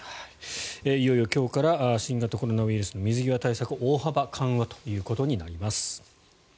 いよいよ今日から新型コロナウイルスの水際対策大幅緩和ということになります。